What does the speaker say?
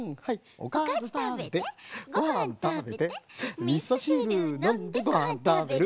「おかずたべてごはんたべてみそしるのんでごはんたべる」